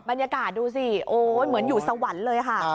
บรรยากาศดูสิโอ๊ยเหมือนอยู่สวรรค์เลยค่ะ